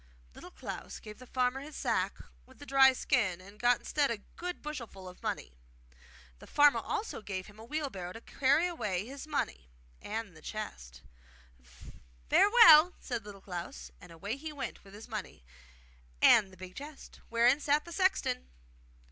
Little Klaus gave the farmer his sack with the dry skin, and got instead a good bushelful of money. The farmer also gave him a wheelbarrow to carry away his money and the chest. 'Farewell,' said Little Klaus; and away he went with his money and the big chest, wherein sat the sexton.